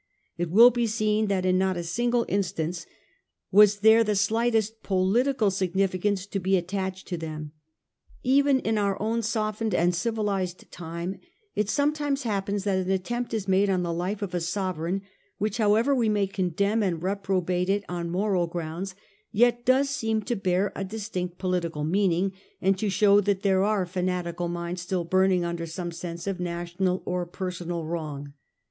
It will be seen that in not a single instance was there the slightest political significance to be attached to them. Even in our own softened and civilised time it sometimes happens that an attempt is made on the life of a sovereign which, however we may condemn and reprobate it on moral grounds, yet does seem to bear a distinct political meaning, and to show that there are fanatical minds still burning under some sense of national or personal wrong.